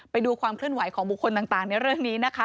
ไปดูความเคลื่อนไหวของบุคคลต่างในเรื่องนี้นะคะ